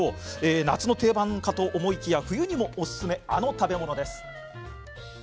夏の定番いかと思いきや冬にもおすすめ、あの食べ物です。